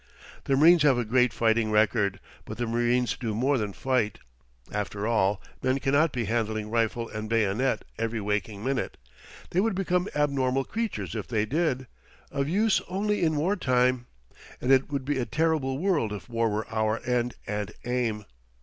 The marines have a great fighting record; but the marines do more than fight. After all, men cannot be handling rifle and bayonet every waking minute they would become abnormal creatures if they did, of use only in war time; and it would be a terrible world if war were our end and aim.